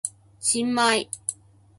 新米